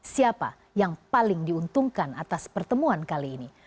siapa yang paling diuntungkan atas pertemuan kali ini